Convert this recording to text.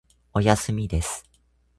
おやすみです。